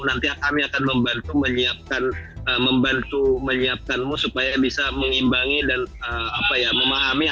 nanti kami akan membantu menyiapkan membantu menyiapkanmu supaya bisa mengimbangi dan memahami